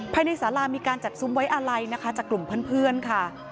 ภายในสารามีการจัดซุ้มไว้อาลัยนะคะจากกลุ่มเพื่อนค่ะ